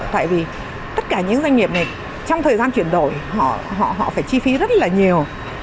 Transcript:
tại vì tất cả những doanh nghiệp này trong thời gian chuyển đổi họ phải chi phí rất là nhiều